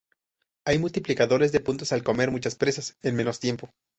Hay multiplicadores de puntos al comer muchas presas en menos tiempo.